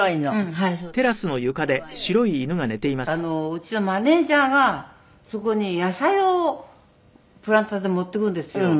うちのマネジャーがそこに野菜をプランターで持ってくるんですよ。